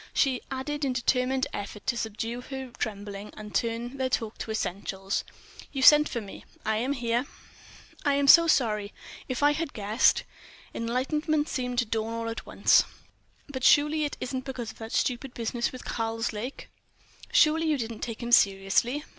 She added in determined effort to subdue her trembling and turn their talk to essentials: "You sent for me—I am here." "I am so sorry. If I had guessed ..." Enlightenment seemed to dawn all at once. "But surely it isn't because of that stupid business with Karslake? Surely you didn't take him seriously?"